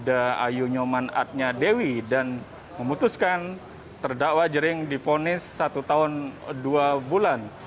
dan juga ayu nyoman adnya dewi dan memutuskan terdakwa jerings diponis satu tahun dua bulan